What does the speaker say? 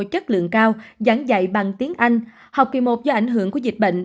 chất lượng cao giảng dạy bằng tiếng anh học kỳ một do ảnh hưởng của dịch bệnh